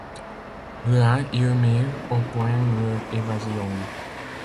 Là, ils mirent au point leur évasion.